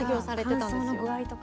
乾燥の具合とか。